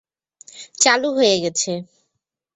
চালু হয়ে গেছে।